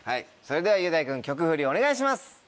それでは雄大君曲フリお願いします！